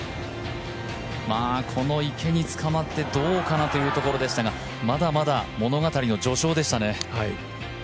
この池につかまってどうかなというところでしたがまだまだ物語の序章でしたね。